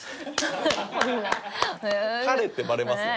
彼ってバレますやん。